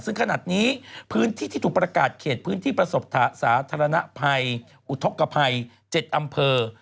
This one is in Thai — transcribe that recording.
ซึ่งขนาดนี้พื้นที่ที่ถูกประกาศเขตพื้นที่ประสบสาธารณภัยอุทธกภัย๗อำเภอ